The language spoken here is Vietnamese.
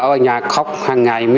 ở nhà khóc hàng ngày